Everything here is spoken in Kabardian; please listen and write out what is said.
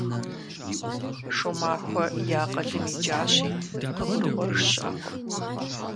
Шумахуэ и акъылым икӀащи, къыгурыӀуэж щыӀэкъым.